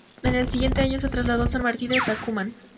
Ese mismo año se trasladó a San Martín de Tucumán.